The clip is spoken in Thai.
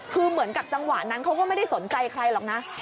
คือเหมือนกับจังหวะนั้นเขาก็ไม่ได้สนใจใครหรอกนะ